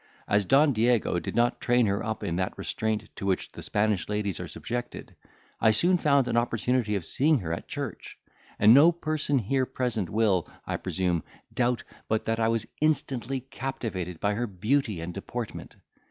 As Don Diego did not train her up in that restraint to which the Spanish ladies are subjected, I soon found an opportunity of seeing her at church; and no person here present will, I presume, doubt but that I was instantly captivated by her beauty and deportment.